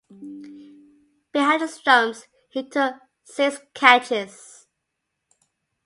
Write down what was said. Behind the stumps he took six catches.